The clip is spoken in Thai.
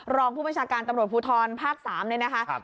รองผู้บัญชาการตำรวจพุทธรภาค๓นะครับ